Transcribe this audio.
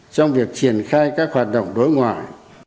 trong việc triển khai các hoạt động đối ngoại